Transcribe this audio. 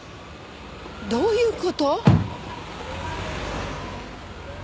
どういう事？